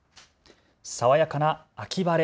爽やかな秋晴れ。